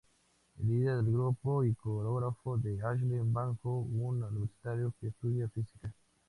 El líder del grupo y coreógrafo es Ashley Banjo, un universitario que estudia Física.